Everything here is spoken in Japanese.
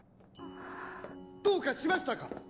どうかしましたか！？